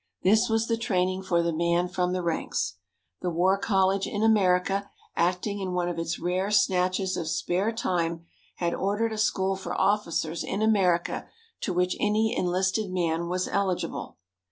This was the training for the man from the ranks. The War College in America, acting in one of its rare snatches of spare time, had ordered a school for officers in America to which any enlisted man was eligible.